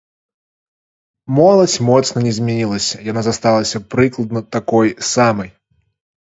Моладзь моцна не змянілася, яна засталася прыкладна такой самай.